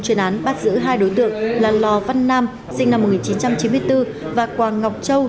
chuyên án bắt giữ hai đối tượng là lò văn nam sinh năm một nghìn chín trăm chín mươi bốn và quang ngọc châu